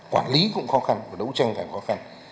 quản lý cũng khó khăn